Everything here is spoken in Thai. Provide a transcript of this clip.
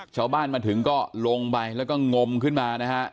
ชาวบ้านมาถึงก็ลงไปแล้วก็งมขึ้นมานะฮะ